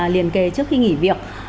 liền kề trước khi nghỉ việc